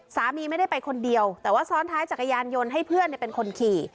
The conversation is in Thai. ไม่ได้ไปคนเดียวแต่ว่าซ้อนท้ายจักรยานยนต์ให้เพื่อนเป็นคนขี่